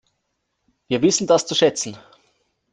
Wir wissen das zu schätzen.